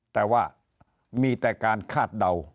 แต่ว่ามีแต่การคาดเดา